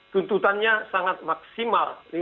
tuntutannya sangat maksimal